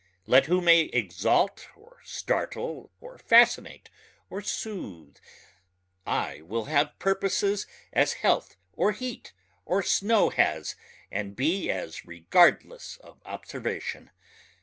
Let who may exalt or startle or fascinate or soothe I will have purposes as health or heat or snow has and be as regardless of observation.